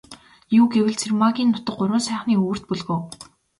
Юу гэвэл, Цэрмаагийн нутаг Гурван сайхны өвөрт бөлгөө.